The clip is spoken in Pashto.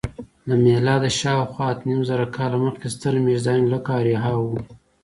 له میلاده شاوخوا اتهنیمزره کاله مخکې ستر میشت ځایونه لکه اریحا وو.